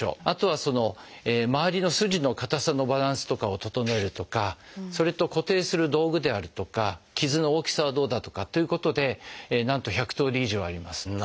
あとはまわりの筋の硬さのバランスとかを整えるとかそれと固定する道具であるとか傷の大きさはどうだとかっていうことでなんと１００通り以上あります。